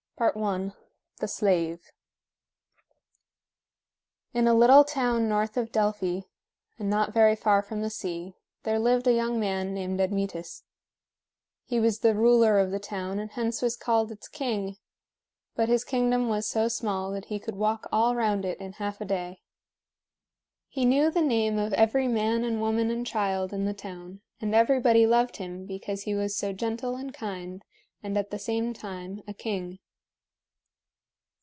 I. THE SLAVE. In a little town north of Delphi, and not very far from the sea, there lived a young man named Admetus. He was the ruler of the town, and hence was called its king; but his kingdom was so small that he could walk all round it in half a day. He knew the name of every man and woman and child in the town, and everybody loved him because he was so gentle and kind and at the same time a king.